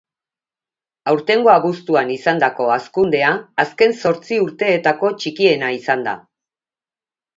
Aurtengo abuztuan izandako hazkundea azken zortzi urteetako txikiena izan da.